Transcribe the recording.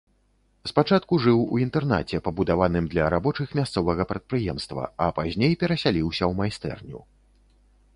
Спачатку жыў у інтэрнаце, пабудаваным для рабочых мясцовага прадпрыемства, а пазней перасяліўся ў майстэрню.